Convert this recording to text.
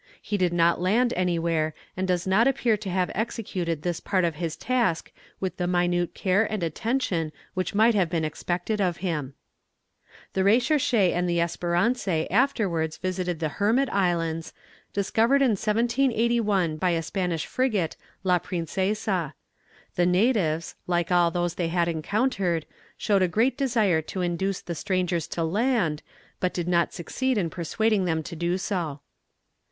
He did not land anywhere, and does not appear to have executed this part of his task with the minute care and attention which might have been expected of him. The Recherche and the Espérance afterwards visited the Hermit Islands, discovered in 1781 by a Spanish frigate, La Princesa. The natives, like all those they had encountered, showed a great desire to induce the strangers to land, but did not succeed in persuading them to do so.